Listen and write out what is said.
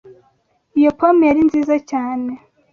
Iyo pome yari nziza cyane.